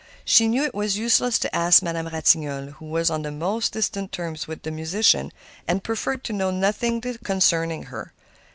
She knew it was useless to ask Madame Ratignolle, who was on the most distant terms with the musician, and preferred to know nothing concerning her.